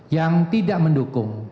yang tidak mendukung